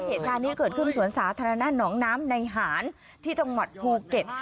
เหตุการณ์นี้เกิดขึ้นสวนสาธารณะหนองน้ำในหารที่จังหวัดภูเก็ต